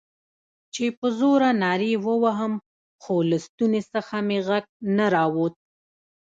چې په زوره نارې ووهم، خو له ستوني څخه مې غږ نه راووت.